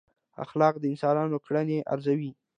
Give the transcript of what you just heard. اخلاق د انسانانو کړنې ارزوي.